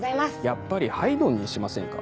やっぱりハイドンにしませんか？